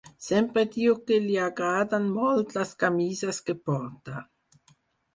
Sempre diu que li agraden molt les camises que porta.